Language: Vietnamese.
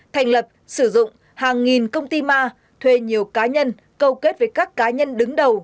thành lập sử dụng hàng nghìn công ty ma thuê nhiều cá nhân câu kết với các cá nhân đứng đầu